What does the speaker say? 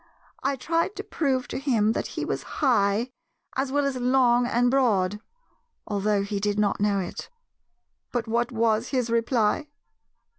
I tried to prove to him that he was 'high,' as well as long and broad, although he did not know it. But what was his reply?